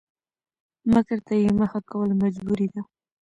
مکر ته يې مخه کول مجبوري ده؛